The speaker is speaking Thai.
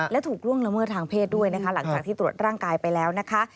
และถูกล่วงละเมิดทางเพศด้วยนะคะหลังจากที่ตรวจร่างกายไปแล้วนะคะ